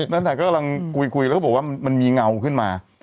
นั่นแหละก็กำลังคุยแล้วก็บอกว่ามันมีเงาขึ้นมา